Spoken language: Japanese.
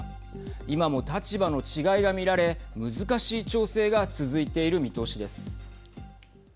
今も立場の違いが見られ難しい調整が続いている見通しです。